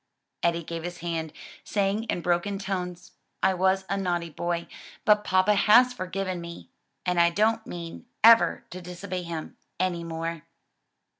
Eddie gave his hand, saying in broken tones, "I was a naughty boy, but papa has forgiven me, and I don't mean ever to disobey him any more."